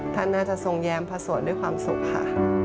ท่านน่าจะทรงแย้มพระสวดด้วยความสุขค่ะ